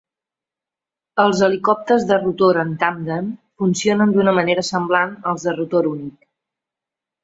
Els helicòpters de rotor en tàndem funcionen d'una manera semblant als de rotor únic.